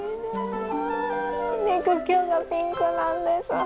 肉球がピンクなんですね。